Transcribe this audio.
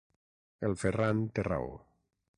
El Ferran té raó.